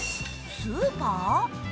スーパー？